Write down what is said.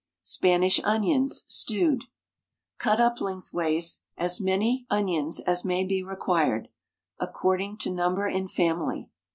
SPANISH ONIONS (Stewed). Cut up lengthways as many onions as may be required, according to number in family.